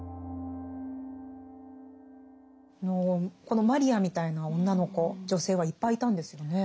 このマリヤみたいな女の子女性はいっぱいいたんですよね。